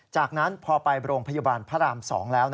จากนั้นพอไปโรงพยาบาลพระราม๒แล้ว